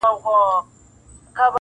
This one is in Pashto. یوې لمبې به سوځولی یمه -